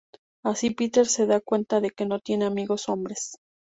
Así, Peter se da cuenta de que no tiene amigos hombres.